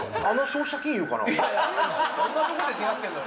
どんなとこで出会ってんのよ